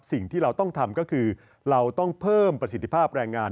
สิ่งที่เราต้องทำก็คือเราต้องเพิ่มประสิทธิภาพแรงงาน